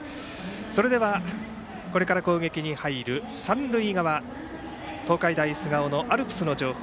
それでは、これから攻撃に入る三塁側、東海大菅生のアルプスの情報